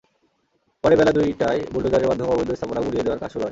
পরে বেলা দুইটায় বুলডোজারের মাধ্যমে অবৈধ স্থাপনা গুঁড়িয়ে দেওয়ার কাজ শুরু হয়।